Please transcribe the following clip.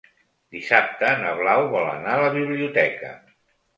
Dissabte na Blau vol anar a la biblioteca.